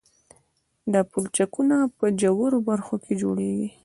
دا پلچکونه په ژورو برخو کې جوړیږي